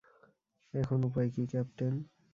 এখন উপায় কী, ক্যাপ্টেন?